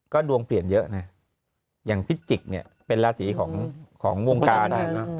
ก็ดวงเปลี่ยนเยอะนะอย่างพิจิกเนี่ยเป็นราศีของวงการ